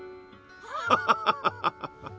ハハハハ！